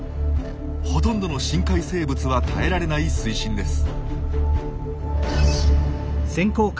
ほとんどの深海生物は耐えられない水深です。